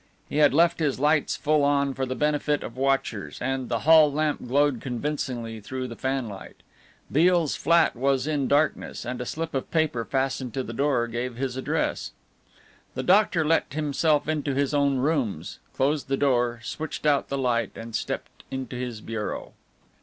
He had left his lights full on for the benefit of watchers, and the hall lamp glowed convincingly through the fanlight. Beale's flat was in darkness, and a slip of paper fastened to the door gave his address. The doctor let himself into his own rooms, closed the door, switched out the light and stepped into his bureau.